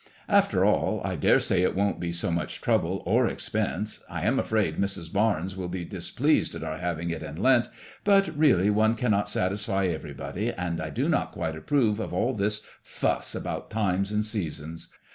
" After all, I dare say it won't be so much trouble or expense. I am afraid Mrs. Barnes will be displeased at our having it in Lent, but really one cannot satisfy everybody, and I do not quite approve of all this fiiss about times and seasons.